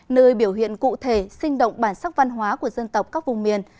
nơi biểu hiện cụ thể sinh động bản sắc văn hóa của dân tộc các vùng miền